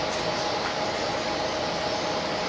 สุดท้ายสุดท้าย